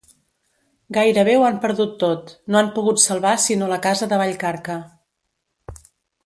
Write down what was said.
Gairebé ho han perdut tot: no han pogut salvar sinó la casa de Vallcarca.